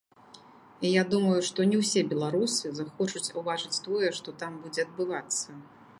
І я думаю, што не ўсе беларусы захочуць убачыць тое, што там будзе адбывацца.